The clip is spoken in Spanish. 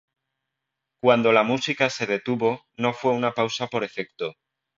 Cuando la música se detuvo, no fue una pausa por efecto.